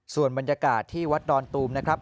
ส่วนบรรยากาศที่วัดดอนตูมนะครับ